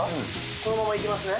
このままいきますね